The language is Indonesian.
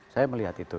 saya melihat itu